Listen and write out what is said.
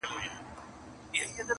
په دامنځ کي پیل هم لرو بر ځغستله-